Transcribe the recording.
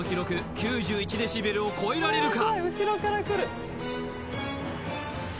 ９１デシベルを超えられるか？